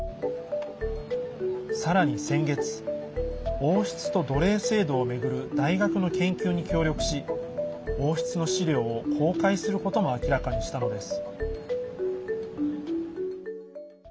さらに先月王室と奴隷制度を巡る大学の研究に協力し王室の資料を公開することも明らかにしたのです。